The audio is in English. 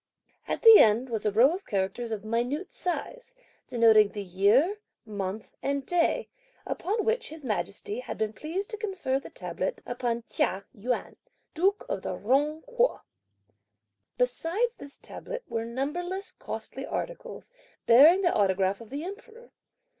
At the end, was a row of characters of minute size, denoting the year, month and day, upon which His Majesty had been pleased to confer the tablet upon Chia Yuan, Duke of Jung Kuo. Besides this tablet, were numberless costly articles bearing the autograph of the Emperor.